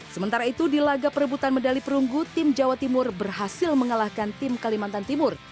sementara itu di laga perebutan medali perunggu tim jawa timur berhasil mengalahkan tim kalimantan timur